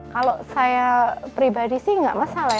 kalau saya pribadi sih nggak masalah ya